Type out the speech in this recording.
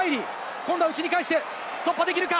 今度は内に返して突破できるか？